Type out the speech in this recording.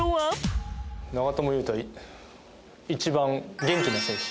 長友佑都は一番元気な選手。